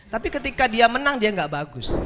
tapi ketika dia menang dia gak bagus